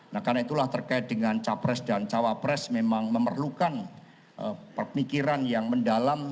nah karena itulah terkait dengan capres dan cawapres memang memerlukan pemikiran yang mendalam